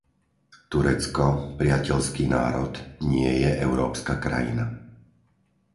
Turecko, priateľský národ, nie je európska krajina.